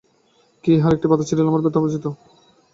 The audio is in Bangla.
কেহ ইহার একটি পাতা ছিঁড়িলে আমার ব্যথা বাজিত।